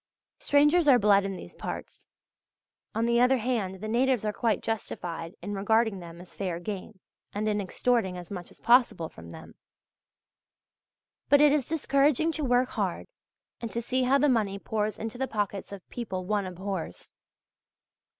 Strangers are bled in these parts; on the other hand the natives are quite justified in regarding them as fair game and in extorting as much as possible from them. But it is discouraging to work hard and to see how the money pours into the pockets of people one abhors.